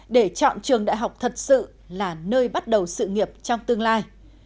để chọn trường đại học thật sự là nơi bắt đầu sự nghiệp trong tương lai